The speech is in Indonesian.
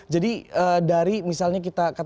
jadi dari itu kita bisa membeli tiket pesawat